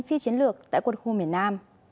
phi chiến lược tại quận khu miền nam